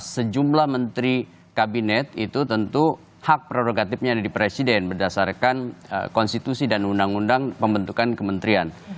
sejumlah menteri kabinet itu tentu hak prerogatifnya ada di presiden berdasarkan konstitusi dan undang undang pembentukan kementerian